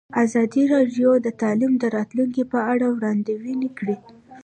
ازادي راډیو د تعلیم د راتلونکې په اړه وړاندوینې کړې.